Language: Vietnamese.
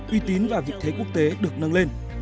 uy tín và vị thế quốc tế được nâng lên